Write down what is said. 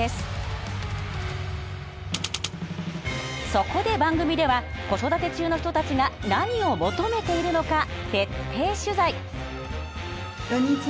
そこで番組では子育て中の人たちが何を求めているのか徹底取材。